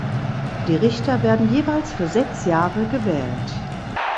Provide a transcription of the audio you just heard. Die Richter werden jeweils für sechs Jahre gewählt.